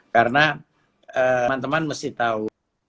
karena teman teman mesti tahu